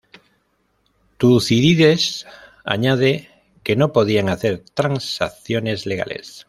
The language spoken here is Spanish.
Tucídides añade que no podían hacer transacciones legales.